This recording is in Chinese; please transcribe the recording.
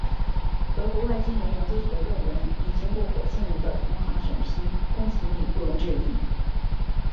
德国外星人研究所的论文已经过火星人的同行审批，公信力不容置疑。